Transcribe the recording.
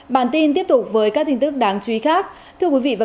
bản tin tiếp tục với các tin tức đáng chú ý khác